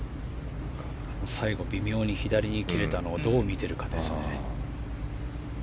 最後、微妙に左に切れたのをどう見てるかですね。